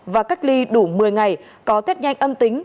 và cách ly đủ một mươi ngày có tết nhanh âm tính